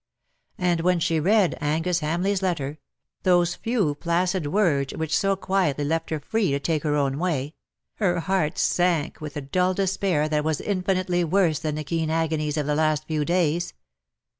And when she read Angus Hamleigh^s letter — those few placid words which so quietly left her free to take her own way — her heart sank with a dull despair that was infinitely worse than the keen agonies of the last few days.